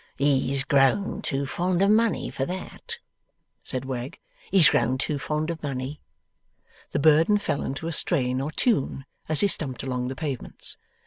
'He's grown too fond of money for that,' said Wegg; 'he's grown too fond of money.' The burden fell into a strain or tune as he stumped along the pavements.